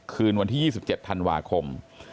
คืนวันที่๒๗ธันวาคม